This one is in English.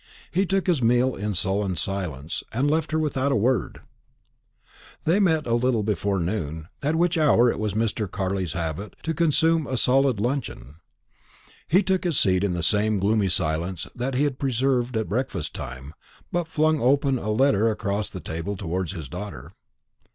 He took his meal in sullen silence, and left her without a word. They met again a little before noon, at which hour it was Mr. Carley's habit to consume a solid luncheon. He took his seat in the same gloomy silence that he had preserved at breakfast time, but flung an open letter across the table towards his daughter.